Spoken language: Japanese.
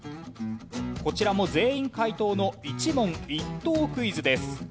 こちらも全員解答の一問一答クイズです。